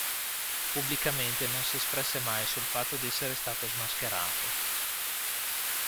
Pubblicamente non si espresse mai sul fatto di essere stato smascherato.